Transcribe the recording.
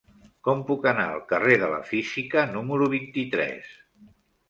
Com puc anar al carrer de la Física número vint-i-tres?